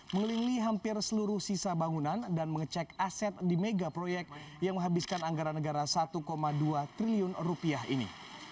mengelilingi hampir seluruh sisa bangunan dan mengecek aset di mega proyek yang menghabiskan anggaran negara satu dua triliun rupiah ini